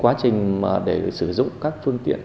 quá trình để sử dụng các phương tiện